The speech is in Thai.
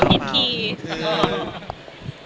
เบลคิดคีย์